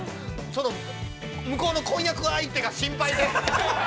◆向こうの婚約相手が心配で。